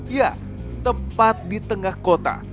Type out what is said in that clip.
ya tepat di tengah kota